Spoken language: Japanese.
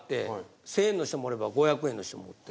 １，０００円の人もおれば５００円の人もおって。